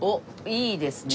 いいですね。